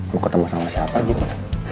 mau ketemu sama siapa gitu